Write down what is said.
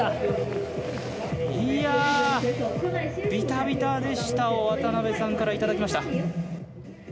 ビタビタでしたを渡辺さんからいただきました。